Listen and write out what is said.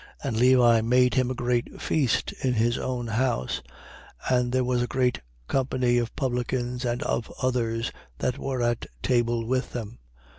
5:29. And Levi made him a great feast in his own house: And there was a great company of publicans and of others that were at table with them.